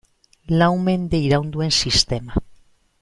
Lau mende iraun duen sistema.